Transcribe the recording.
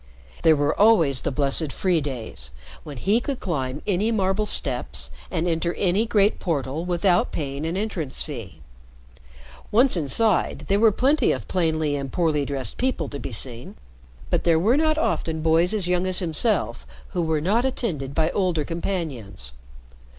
There were always the blessed "free days," when he could climb any marble steps, and enter any great portal without paying an entrance fee. Once inside, there were plenty of plainly and poorly dressed people to be seen, but there were not often boys as young as himself who were not attended by older companions.